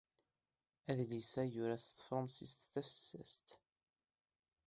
Adlis-a yura s tefṛensist tafessast.